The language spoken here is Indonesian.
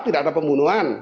tidak ada pembunuhan